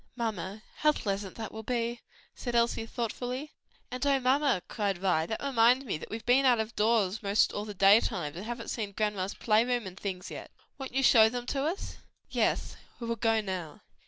"Mamma, how pleasant that will be," said Elsie thoughtfully. "And oh, mamma!" cried Vi, "that reminds me that we've been out of doors 'most all the day times, and haven't seen grandma's play room and things yet. Won't you show them to us?" "Yes, we will go now."